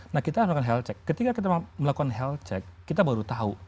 nah kita melakukan health check ketika kita melakukan health check kita baru tahu